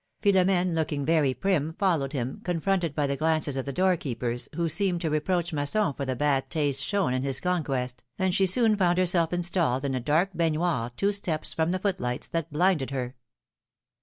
Philom^ne, looking very prim, followed him, con fronted by the glances of the doorkeepers, who seemed to reproach Masson for the bad taste shown in this conquest, and she soon found herself installed in a dark baignoire two steps from the foot lights, that blinded her.